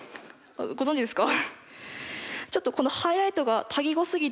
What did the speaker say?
ご存じですか？